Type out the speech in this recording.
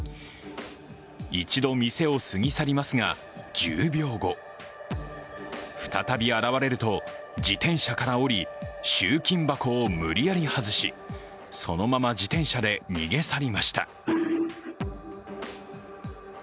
一度店を過ぎ去りますが１０秒後、再び現れると自転車から降り、集金箱を無理やり外しそのまま自転車で逃げ去りました。